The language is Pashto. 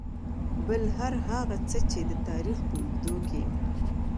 بل هر هغه څه چې د تاريخ په اوږدو کې .